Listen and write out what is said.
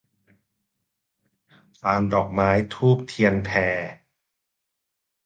พานดอกไม้ธูปเทียนแพ